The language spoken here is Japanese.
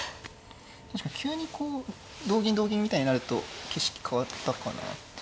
確かに急にこう同銀同銀みたいになると景色変わったかなって。